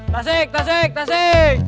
tasik tasik tasik